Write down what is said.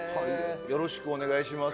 よろしくお願いします。